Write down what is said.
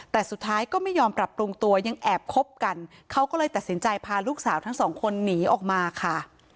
แต่สุดท้ายก็ไม่ยอมปรับปรุงตัวยังแอบคบกันเขาก็เลยตัดสินใจพาลูกสาวทั้งสองคนหนีออกมาค่ะ